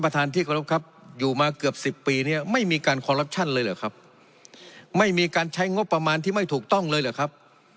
ท่านประธานที่เคารพครับ